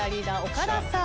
岡田さん。